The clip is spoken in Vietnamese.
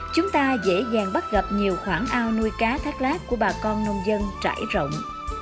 chúng ta dễ dàng bắt gặp nhiều khoảng ao nuôi cá thác lát của bà con nông dân trải rộng